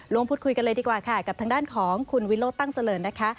พูดคุยกันเลยดีกว่าค่ะกับทางด้านของคุณวิโรธตั้งเจริญนะคะ